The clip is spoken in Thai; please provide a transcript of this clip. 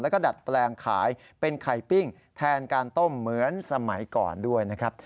แล้วก็ดัดแปลงขายเป็นไข่ปิ้งแทนการต้มเหมือนสมัยก่อนด้วยนะครับ